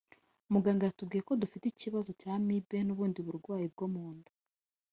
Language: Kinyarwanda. Muganga yatubwiye ko dufite ikibazo cya amibe n’ubundi burwayi bwo mu nda